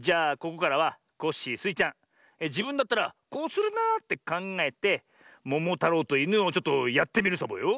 ここからはコッシースイちゃんじぶんだったらこうするなってかんがえてももたろうといぬをちょっとやってみるサボよ。